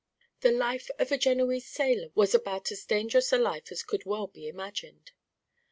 The life of a Genoese sailor was about as dangerous a life as could well be imagined.